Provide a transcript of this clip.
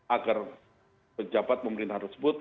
agar pejabat pemerintahan harus berpikir bahwa